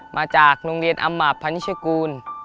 มาจากโรงเรียนอำมาตพันนิชกูล